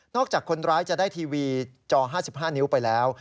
จากคนร้ายจะได้ทีวีจอ๕๕นิ้วไปแล้ว